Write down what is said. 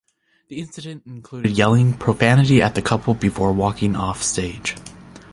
The incident included yelling profanity at the couple before walking off stage.